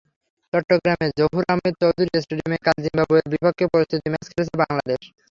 চট্টগ্রামের জহুর আহমেদ চৌধুরী স্টেডিয়ামে কাল জিম্বাবুয়ের বিপক্ষে প্রস্তুতি ম্যাচ খেলেছে বাংলাদেশ।